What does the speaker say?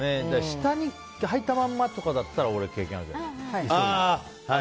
下にはいたままとかだったら俺、経験あるけど。